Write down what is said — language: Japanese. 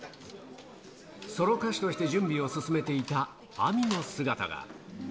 ソロ歌手として準備を進めていた亜美の姿が。